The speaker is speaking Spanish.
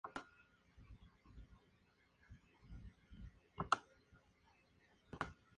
Es considerado el conflicto más largo de Europa posterior a la Segunda Guerra Mundial.